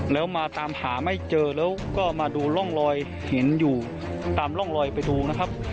แล้วมาตามหาไม่เจอแล้วก็มาดูร่องรอยเห็นอยู่ตามร่องลอยไปดูนะครับ